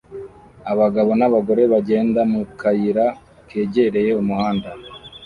Abagabo n'abagore bagenda mu kayira kegereye umuhanda